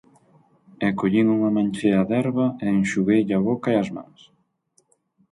E collín unha manchea de herba e enxugueille a boca e as mans.